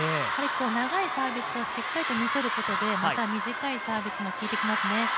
長いサービスをしっかりと見せることで、また短いサービスも効いてきますね。